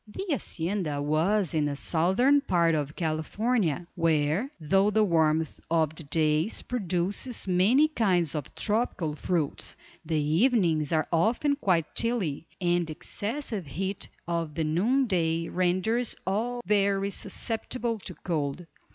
The hacienda was in the southern part of California, where though the warmth of the days produces many kinds of tropical fruits, the evenings are often quite chilly, and the excessive heat of the noon day renders all very susceptible to cold.